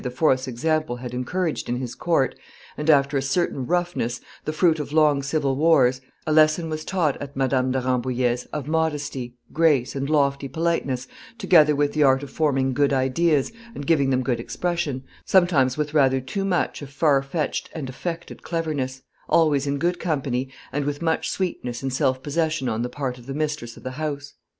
's example had encouraged in his court, and after a certain roughness, the fruit of long civil wars, a lesson was taught at Madame de Rambouillet's of modesty, grace, and lofty politeness, together with the art of forming good ideas and giving them good expression, sometimes with rather too much of far fetched and affected cleverness, always in good company, and with much sweetness and self possession on the part of the mistress of the house.